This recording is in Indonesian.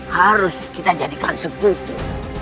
harus kita jadikan segutu